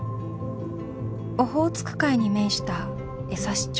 オホーツク海に面した枝幸町。